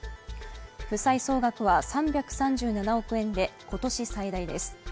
負債総額は３３７億円で今年最大です。